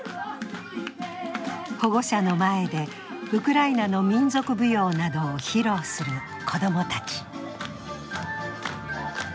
保護者の前でウクライナの民族舞踊などを披露する子供たち。